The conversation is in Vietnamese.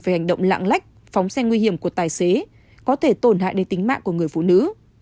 về hành động lạng lách phóng xe nguy hiểm của tài xế có thể tổn hại đến tính mạng của người phụ nữ